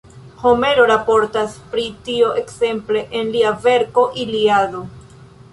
Homero raportas pri tio ekzemple en lia verko Iliado.